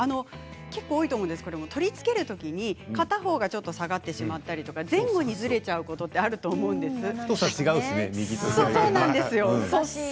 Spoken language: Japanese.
結構、多いと思うんですけど取り付けるときに片方がちょっと下がってしまったり前後にずれたりすることが太さが違いますよね